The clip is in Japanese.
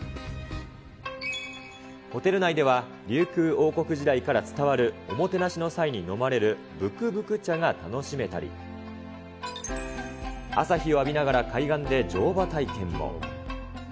ホテル内では、琉球王国時代から伝わる、おもてなしの際に飲まれるぶくぶく茶が楽しめたり、朝日を浴びながら海岸で乗馬体験も。